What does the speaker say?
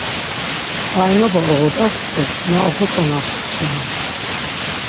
K̆ainoba oğodaps do na oxotzonaps şeni...